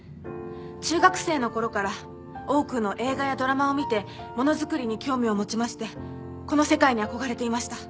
中学生の頃から多くの映画やドラマを見てもの作りに興味を持ちましてこの世界に憧れていました。